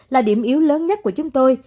là điểm yếu lớn nhất của chúng tôi